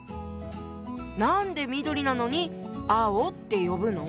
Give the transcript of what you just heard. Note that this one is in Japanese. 何で緑なのに青って呼ぶの？